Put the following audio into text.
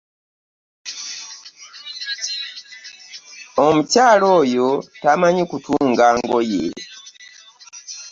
Omukyala oyo tamanyi kutunga ngoye.